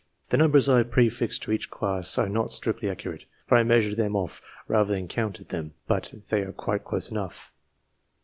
The numbers I have prefixed to each class are not strictly accurate, for I measured them off rather than counted them, but they are quite close enough.